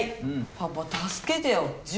パパ助けてよ塾